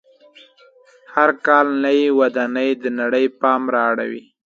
هر کال نوې ودانۍ د نړۍ پام را اړوي.